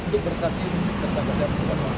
beri persaksi persaksi apa